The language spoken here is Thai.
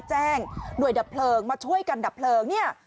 แจ้งหน่วยดับเพลิงมาช่วยกันดับเพลิงเนี่ย